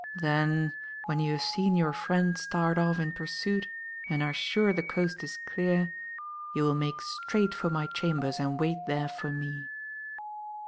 Then, when you have seen your friend start off in pursuit and are sure the coast is clear, you will make straight for my chambers and wait there for me."